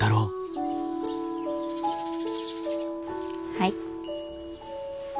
はい。